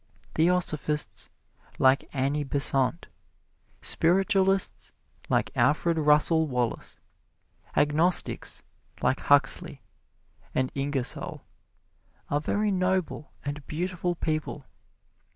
Theosophists like Annie Besant, Spiritualists like Alfred Russel Wallace, Agnostics like Huxley and Ingersoll, are very noble and beautiful people.